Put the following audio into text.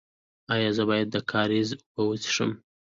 ایا زه باید د کاریز اوبه وڅښم؟